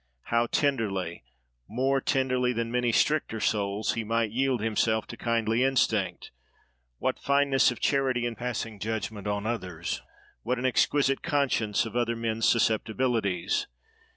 How tenderly—more tenderly than many stricter souls—he might yield himself to kindly instinct! what fineness of charity in passing judgment on others! what an exquisite conscience of other men's susceptibilities!